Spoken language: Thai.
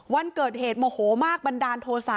วันเกิดเหตุโมโหมากบันดาลโทษะ